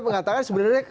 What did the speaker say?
sebagai gerakan politik